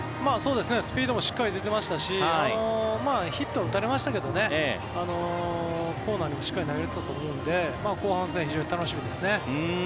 スピードもしっかり出ていましたしヒットは打たれましたけどコーナーにもしっかり投げれていたと思うので後半戦、非常に楽しみですね。